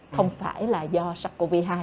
không phải là do sars cov hai